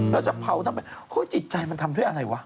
เราจะเผาทำไมจิตใจมันทำด้วยอะไรวะ